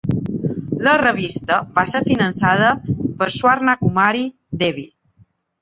La revista va ser finançada per Swarnakumari Devi.